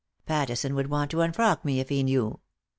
" Pattison would want to unfrock me if he knew.